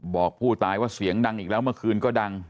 บอกผู้ตายว่าเสียงดังอีกแล้วเมื่อคืนก็ดัง